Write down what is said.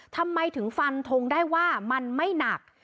ทำไมถึงฟันทงได้ว่ามันไม่หนัก